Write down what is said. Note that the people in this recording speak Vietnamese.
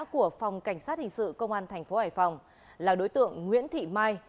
của phòng cảnh sát hình sự công an tp hải phòng là đối tượng nguyễn thị mai